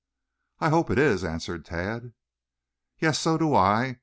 "I hope it is," answered Tad. "Yes, so do I.